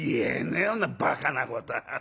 そんなバカなことは。